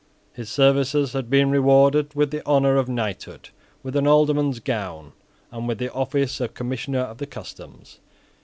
His services had been rewarded with the honour of knighthood, with an Alderman's gown, and with the office of Commissioner of the Customs.